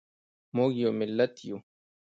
موږ یو ملت یو